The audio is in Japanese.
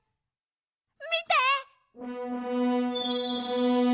みて！